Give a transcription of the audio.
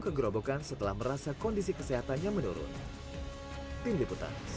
semoga semuanya baik